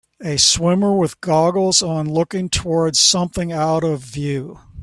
A swimmer with goggles on looking towards something out of view